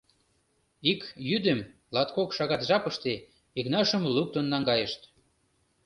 — Ик йӱдым, латкок шагат жапыште, Игнашым луктын наҥгайышт.